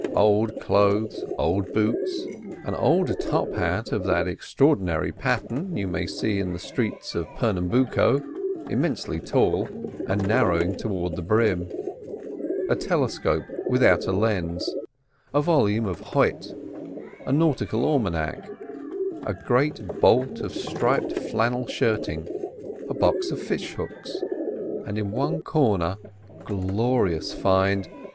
Old clothes, old boots, an old top hat of that extraordinary pattern you may see in the streets of Pernambuco, immensely tall, and narrowing towards the brim. A telescope without a lens, a volume of Hoyt, a nautical almanac, a great bolt of striped flannel shirting, a box of fish hooks. And in one corner—glorious find!